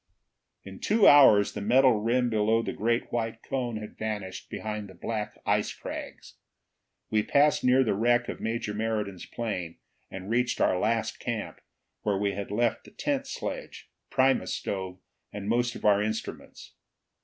In two hours the metal rim below the great white cone had vanished behind the black ice crags. We passed near the wreck of Major Meriden's plane and reached our last camp, where we had left the tent sledge, primus stove, and most of our instruments.